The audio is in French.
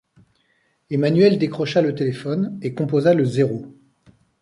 Emmanuelle décrocha le téléphone et composa le zéro.